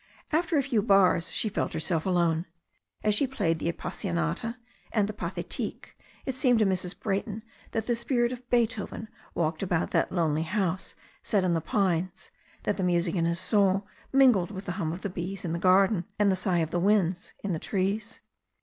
After a few bars she felt herself alone. As she played the Appassionata and the Pathetique it seemed to Mrs. Brayton that the spirit of Beethoven walked about that lonely house set in the pines, that the music in his soul mingled with the hum of bees in the gar den and the sigh of the winds in the trees.